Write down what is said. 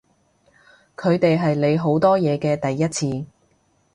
佢哋係你好多嘢嘅第一次